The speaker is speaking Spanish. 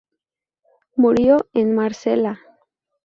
Murió el en Marsella..